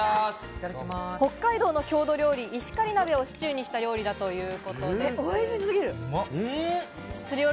北海道の郷土料理・石狩鍋をシチューにした料理だということです。